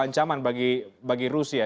ancaman bagi rusia